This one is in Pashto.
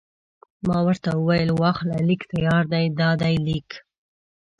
ما ورته وویل: واخله، لیک تیار دی، دا دی لیک.